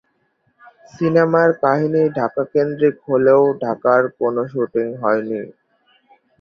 সিনেমার কাহিনী ঢাকা কেন্দ্রিক হলেও ঢাকার কোন শুটিং হয়নি।